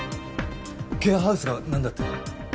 ケアハウスがなんだって？